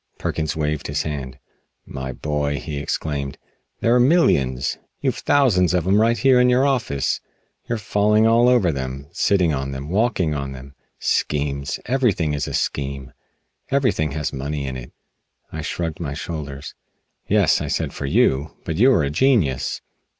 Perkins waved his hand. "My boy," he exclaimed, "there are millions! You've thousands of 'em right here in your office! You're falling over them, sitting on them, walking on them! Schemes? Everything is a scheme. Everything has money in it!" I shrugged my shoulders. "Yes," I said, "for you. But you are a genius."